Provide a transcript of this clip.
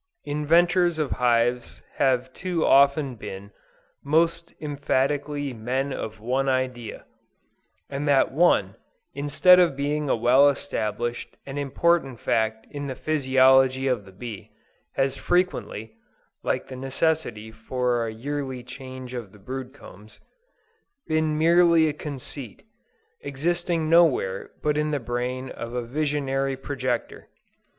Inventors of hives have too often been, most emphatically "men of one idea:" and that one, instead of being a well established and important fact in the physiology of the bee, has frequently, (like the necessity for a yearly change of the brood combs,) been merely a conceit, existing nowhere but in the brain of a visionary projector.